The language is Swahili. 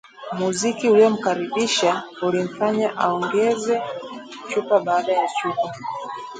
Muziki uliomkaribisha ulimfanya aongeze chupa baada ya chupa